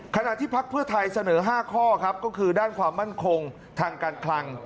ขณะที่พักเพื่อไทยเสนอ๕ข้อครับก็คือด้านความมั่นคงทางการคลัง